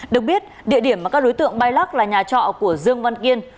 được biết địa điểm mà các đối tượng bay lắc là nhà trọ của dương văn kiên